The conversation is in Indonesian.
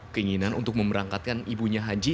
keinginan untuk memberangkatkan ibunya haji